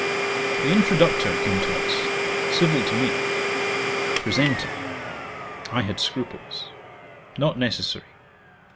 'The introductor came to us; civil to me. Presenting. I had scruples. Not necessary.